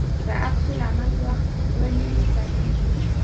د عکس العمل وخت دوه نیمې ثانیې دی